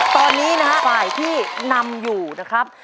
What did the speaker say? ตอนนี้นะฮะฝ่ายที่นำอยู่นะครับ